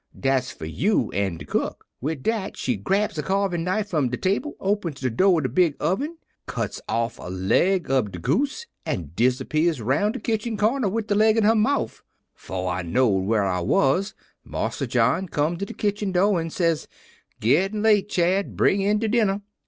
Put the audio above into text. Dat's for you an' de cook.' "Wid dat she grabs a caarvin' knife from de table, opens de do' ob de big oven, cuts off a leg ob de goose, an' dis'pears round de kitchen corner wid de leg in her mouf. "'Fo' I knowed whar I was Marsa John come to de kitchen do' an' says, 'Gittin' late, Chad; bring in de dinner.'